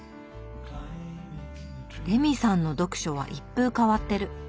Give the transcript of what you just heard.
レミさんの読書は一風変わってる。